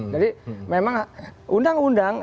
jadi memang undang undang